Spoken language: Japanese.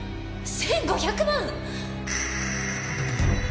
１５００万！？